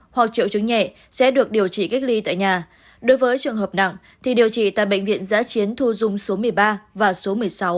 hoặc triệu chứng nhẹ sẽ được điều trị cách ly tại nhà đối với trường hợp nặng thì điều trị tại bệnh viện giã chiến thu dung số một mươi ba và số một mươi sáu